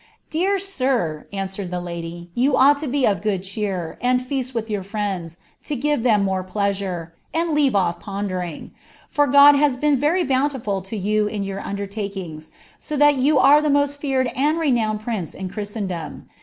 ■'' Pear sir,' answered (he lady, ' you ought to be of good cbeer, ai feast with your friends, lo give them more pleasure, and leave off poada* ing ; for God has been verj bountiful to you in your undertidbogi, W that you are the most feared and renowned prince in Chriatendooi.